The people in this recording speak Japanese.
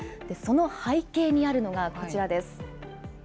その背景にあるのが、こちらです。